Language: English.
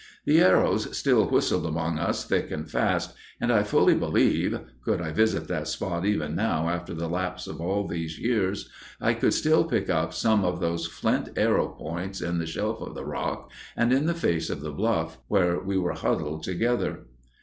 The arrows still whistled among us thick and fast, and I fully believe—could I visit that spot even now after the lapse of all these years—I could still pick up some of those flint arrow points in the shelf of the rock and in the face of the bluff where we were huddled together.